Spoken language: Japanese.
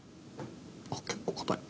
あっ結構硬い。